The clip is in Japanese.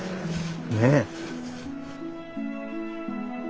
ねえ。